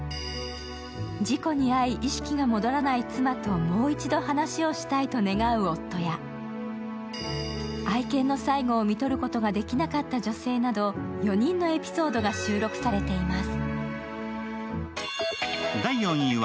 事故に遭い、意識が戻らない妻ともう一度話をしたいと願う夫や、愛犬の最期を看取ることができなかった女性など４人のエピソードが収録されています。